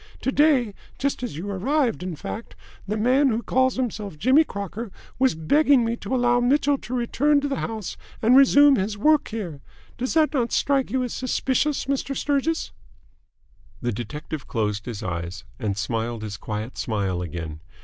To day just as you arrived in fact the man who calls himself Jimmy Crocker was begging me to allow Mitchell to return to the house and resume his work here. Does that not strike you as suspicious, Mr. Sturgis?" The detective closed his eyes, and smiled his quiet smile again.